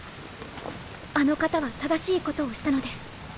あの方は正しいことをしたのです。